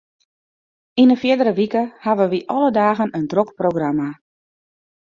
Yn 'e fierdere wike hawwe wy alle dagen in drok programma.